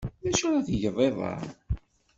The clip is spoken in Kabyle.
D acu ara tgeḍ iḍ-a?